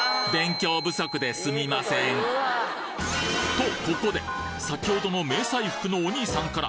とここで先ほどの迷彩服のお兄さんから